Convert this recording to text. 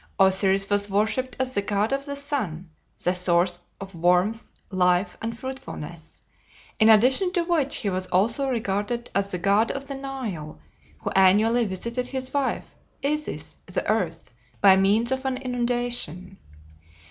Osiris was worshipped as the god of the sun, the source of warmth, life, and fruitfulness, in addition to which he was also regarded as the god of the Nile, who annually visited his wife, Isis (the Earth), by means of an inundation.